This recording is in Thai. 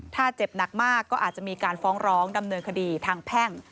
ถ้าเจ็บหนักมากก็อาจจะมีการฟ้องร้องดำเนินคดีทางแพ่ง